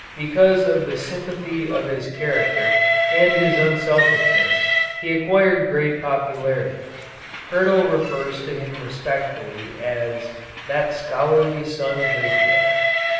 Because of the sympathy of his character and his unselfishness he acquired great popularity. Hyrtl refers to him respectfully as "that scholarly son of Israel."